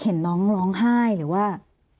เห็นน้องร้องไห้หรือว่า